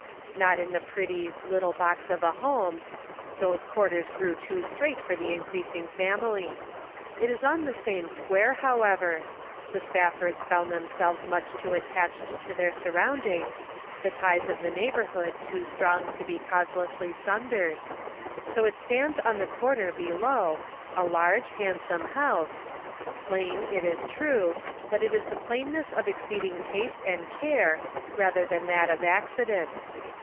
Not in the pretty " little box of a home ;" those quarters grew too strait for the increasing family. It is on the same square, however; the Spaffords found themselves much too attached to their surroundings, the ties of neighborhood too strong to be causelessly sun dered ; so it stands on the corner below, a large handsome house ; plain it is true, but it is the plainness of exceeding taste and care rather than that of accident.